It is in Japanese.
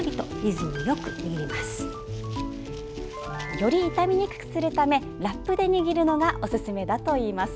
より傷みにくくするためラップで握るのがおすすめだといいます。